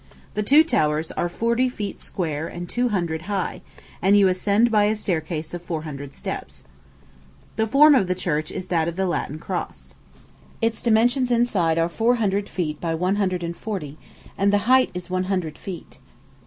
The two towers are forty feet square and two hundred high, and you ascend by a staircase of four hundred steps. The form of the church is that of the Latin cross. Its dimensions inside are four hundred feet by one hundred and forty, and the height is one hundred feet.